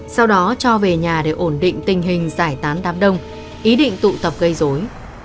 sau đó cho về nhà để ổn định tình hình giải tán đám đông ý định tụ tập gây dối